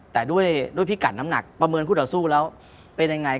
แต่ด้วยพิกัดน้ำหนักประเมินคู่ต่อสู้แล้วเป็นยังไง